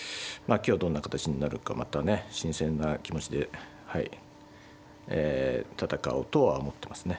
今日はどんな形になるかまたね新鮮な気持ちではいえ戦おうとは思ってますね。